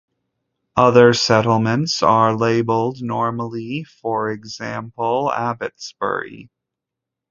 Other settlements are labelled normally for example Abbotsbury.